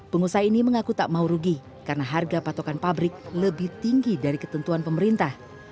pengusaha ini mengaku tak mau rugi karena harga patokan pabrik lebih tinggi dari ketentuan pemerintah